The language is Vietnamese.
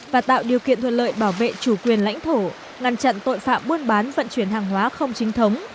và tạo điều kiện thuận lợi bảo vệ chủ quyền lãnh thổ ngăn chặn tội phạm buôn bán vận chuyển hàng hóa không chính thống